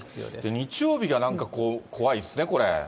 日曜日がなんか、怖いですね、これ。